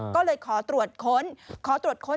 ก็เลยขอตรวจค้น